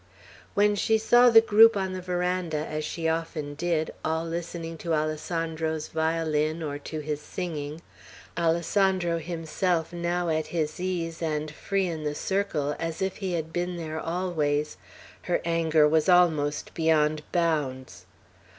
When she saw the group on the veranda, as she often did, all listening to Alessandro's violin, or to his singing, Alessandro himself now at his ease and free in the circle, as if he had been there always, her anger was almost beyond bounds.